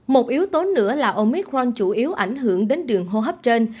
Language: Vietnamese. một yếu tố nữa là omitrun chủ yếu ảnh hưởng đến đường hô hấp trên